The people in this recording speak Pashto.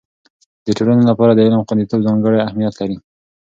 د ټولنې لپاره د علم خوندیتوب ځانګړی اهميت لري.